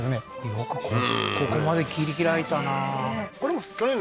よくここまで切り開いたなあ